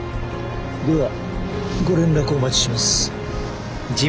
ではご連絡お待ちします。